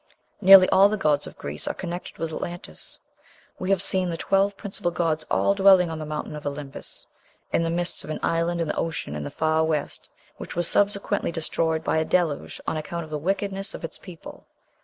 Nearly all the gods of Greece are connected with Atlantis. We have seen the twelve principal gods all dwelling on the mountain of Olympus, in the midst of an island in the ocean in the far west, which was subsequently destroyed by a deluge on account of the wickedness of its people.